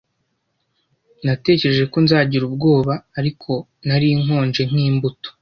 Natekereje ko nzagira ubwoba, ariko nari nkonje nkimbuto.